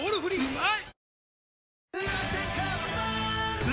うまい！